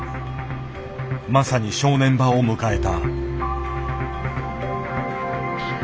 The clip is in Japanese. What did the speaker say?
まさに正念場を迎えた。